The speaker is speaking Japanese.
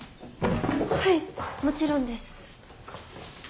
はいもちろんです。